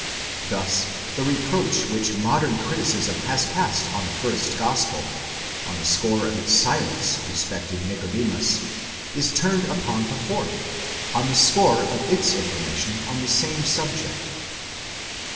Thus the reproach which modern criticism has cast on the first gospel, on the score of its silence respecting Nicodemus, is turned upon the fourth, on the score of its information on the same subject.